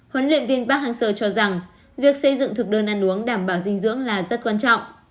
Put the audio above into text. huấn luyện viên park hang seo cho rằng việc xây dựng thực đơn ăn uống đảm bảo dinh dưỡng là rất quan trọng